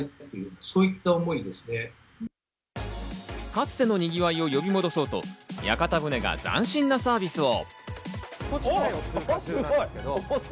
かつてのにぎわいを呼び戻そうと屋形船が斬新なサービスを。